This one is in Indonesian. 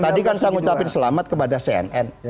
tadi kan saya ngucapin selamat kepada cnn